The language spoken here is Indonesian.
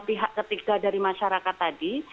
pihak ketiga dari masyarakat tadi